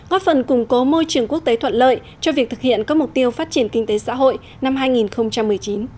góp phần củng cố môi trường quốc tế thuận lợi cho việc thực hiện các mục tiêu phát triển kinh tế xã hội năm hai nghìn một mươi chín